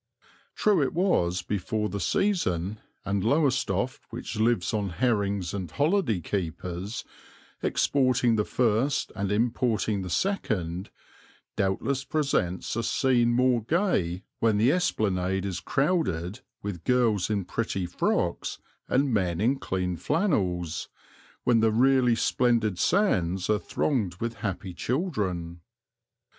True it was before the season, and Lowestoft, which lives on herrings and holiday keepers, exporting the first and importing the second, doubtless presents a scene more gay when the esplanade is crowded with girls in pretty frocks and men in clean flannels, when the really splendid sands are thronged with happy children.